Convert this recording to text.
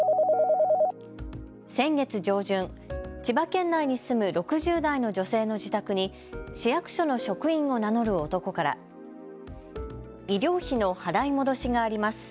先月上旬、千葉県内に住む６０代の女性の自宅に市役所の職員を名乗る男から医療費の払い戻しがあります。